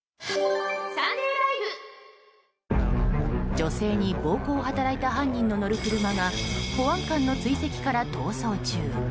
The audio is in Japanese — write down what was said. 女性に暴行を働いた犯人の乗る車が保安官の追跡から逃走中。